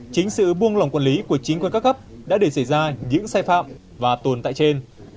chính sự buông lỏng quản lý của chính quyền các cấp đã để xảy ra những sai phạm và tồn tại trên